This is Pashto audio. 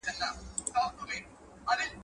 سردار اکبرخان د مرنجان غونډۍ کې بریالی شو.